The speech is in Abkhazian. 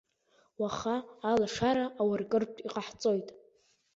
Уаха алашара ауркыртә иҟаҳҵоит!